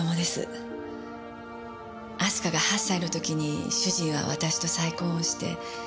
明日香が８歳の時に主人は私と再婚をして。